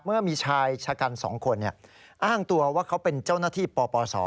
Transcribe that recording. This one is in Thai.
เมื่อมีชายชะกัน๒คนอ้างตัวว่าเขาเป็นเจ้าหน้าที่ปปศ